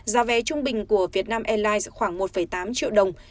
giá vé trung bình của việt nam airlines khoảng một tám triệu đồng